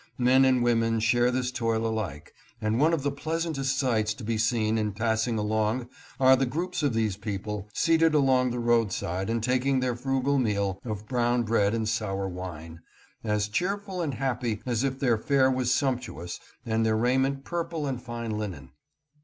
Men and women share this toil alike, and one of the RURAL LIFE. 683 pleasantest sights to be seen in passing along are the groups of these people, seated along the roadside and taking their frugal meal of brown bread and sour wine, as cheerful and happy as if their fare was sump tuous and their raiment purple and fine linen.